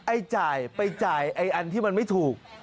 ไอ้จ่ายไปจ่ายไอ้อันที่มันไม่ถูก